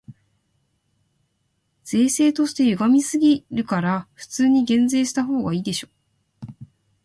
税制として歪すぎるから、普通に減税したほうがいいでしょ。